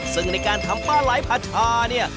ซึ่งในการทำปลาไหลผัดชาเนี่ย